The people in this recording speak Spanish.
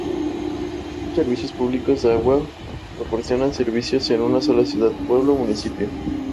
Muchos servicios públicos de agua proporcionan servicios en una sola ciudad, pueblo o municipio.